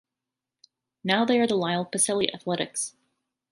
Now they are the Lyle-Pacelli Athletics.